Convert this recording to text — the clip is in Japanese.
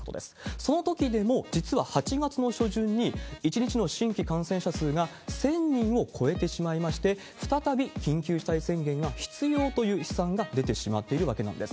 そのときでも、実は８月の初旬に、１日の新規感染者数が１０００人を超えてしまいまして、再び緊急事態宣言が必要という試算が出てしまっているわけなんです。